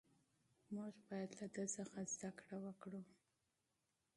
موږ باید له ده څخه زده کړه وکړو.